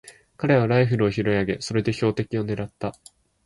彼はライフルを拾い上げ、それで標的をねらった。